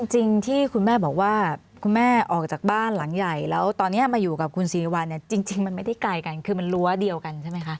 จริงที่คุณแม่บอกว่าคุณแม่ออกจากบ้านหลังใหญ่แล้วตอนนี้มาอยู่กับคุณสิริวัลเนี่ยจริงมันไม่ได้ไกลกันคือมันรั้วเดียวกันใช่ไหมคะ